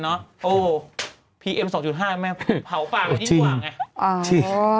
โอ้พีเอ็ม๒๕แม่เผาปากกว่าที่หวานไง